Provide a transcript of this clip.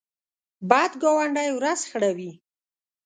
بد ګاونډی ورځ خړوي